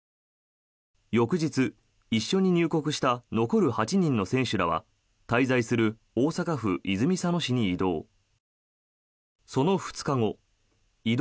翌日、一緒に入国した残る８人の選手らは滞在する大阪府泉佐野市に移動。